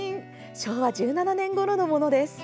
昭和１７年ごろのものです。